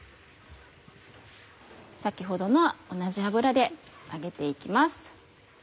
先ほどの同じ油で揚げて行きます。